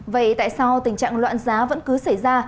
vậy tại sao tình trạng loạn giá vẫn cứ xảy ra